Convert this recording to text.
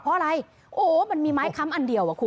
เพราะอะไรโอ้มันมีไม้ค้ำอันเดียวอ่ะคุณ